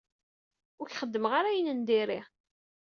Ur k-xeddmeɣ ara ayen n diri.